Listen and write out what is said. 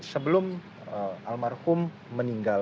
sebelum almarhum meninggal